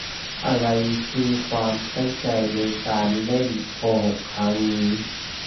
อะไรคือความตั้งใจในการเล่นโกหกครั้งนี้ ?